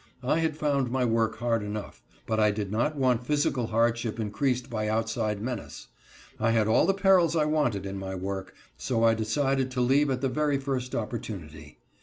I had found my work hard enough, but I did not want physical hardship increased by outside menace. I had all the perils I wanted in my work, so I decided to leave at the very first opportunity.